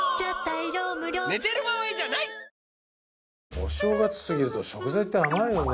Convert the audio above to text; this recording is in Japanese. お正月過ぎると食材って余るよね